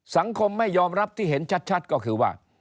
สังคมไม่ยอมรับที่เห็นชัดก็คือว่า